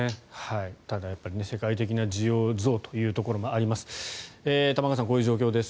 ただ、世界的な需要増ということもあります。